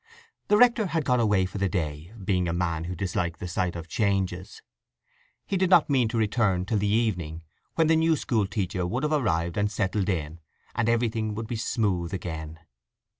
The rector had gone away for the day, being a man who disliked the sight of changes. He did not mean to return till the evening, when the new school teacher would have arrived and settled in, and everything would be smooth again.